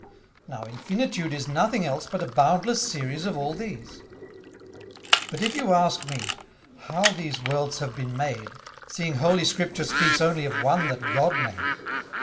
Now Infinitude is nothing else but a boundless Series of all these. But if you ask me, How these Worlds have been made, seeing Holy Scripture speaks only of one that God made?